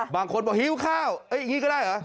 บางคนบอกหิวข้าวอย่างนี้ก็ได้เหรอ